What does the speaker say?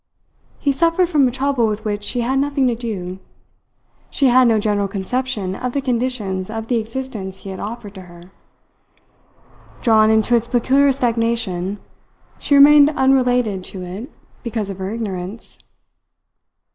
He suffered from a trouble with which she had nothing to do. She had no general conception of the conditions of the existence he had offered to her. Drawn into its peculiar stagnation she remained unrelated to it because of her ignorance.